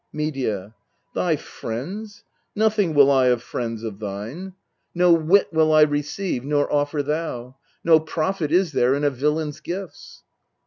Medea. Thy friends ! nothing will I of friends of thine. MEDEA 263 No whit will I receive, nor offer thou. No profit is there in a villain's gifts.